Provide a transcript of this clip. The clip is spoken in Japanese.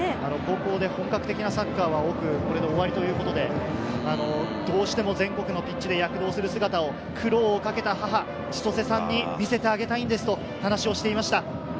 高校で本格的なサッカーは奥、これで終わりということで、どうしても全国でピッチで躍動する姿を苦労かけた母・ちとせさんに見せてあげたいんですと話をしていました。